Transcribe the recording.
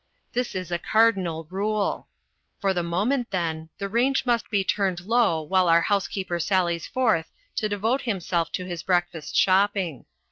This is a cardinal rule. For the moment, then, the range must be turned low while our housekeeper sallies forth to devote himself to his breakfast shopping.